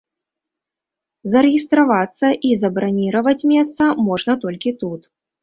Зарэгістравацца і забраніраваць месца можна толькі тут.